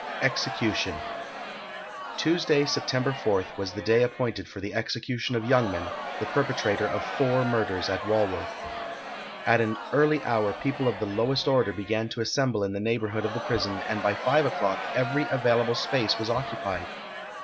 EXECUTION. Tuesday, September 4th, was the day appointed for the execution of Youngman, the perpetrator of four murders at Walworth. At an early hour people of the lowest order began to assemble in the neighbourhood of the prison, and by five o'clock every available space was occupied.